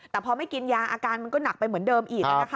แต่พอไม่กินยาอาการมันก็หนักไปเหมือนเดิมอีก